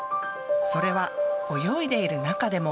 それは泳いでいる中でも。